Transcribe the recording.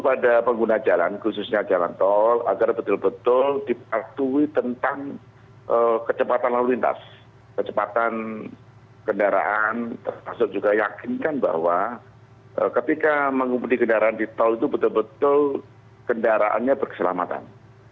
pak agus apa yang anda ingin dikatakan